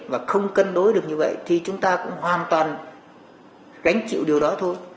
và không cân đối được như vậy thì chúng ta cũng hoàn toàn đánh chịu điều đó thôi